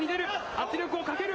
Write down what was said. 圧力をかける。